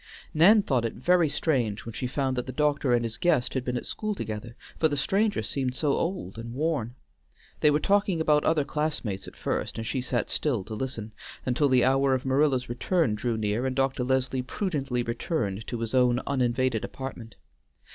Nan thought it very strange when she found that the doctor and his guest had been at school together, for the stranger seemed so old and worn. They were talking about other classmates at first, and she sat still to listen, until the hour of Marilla's return drew near and Dr. Leslie prudently returned to his own uninvaded apartment.